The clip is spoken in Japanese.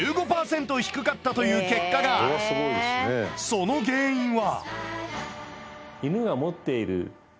その原因は。